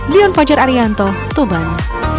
leon fajar arianto tuban